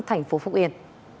thành phố phúc yên